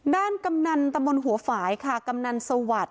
ด้านกำนันตมหัวฝายค่ะกำนันสวัสดิ์